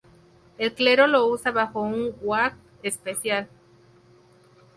El clero lo usa bajo un waqf especial.